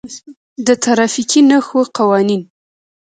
د ترافیکي نښو قوانین: